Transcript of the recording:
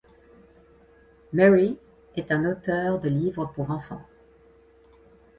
Mary est un auteure de livres pour enfants.